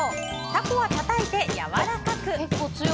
タコはたたいてやわらかく！